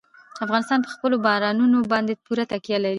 افغانستان په خپلو بارانونو باندې پوره تکیه لري.